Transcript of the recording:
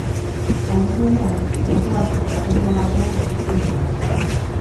Aldi berean, datuak plataforma batean gordetzen dira.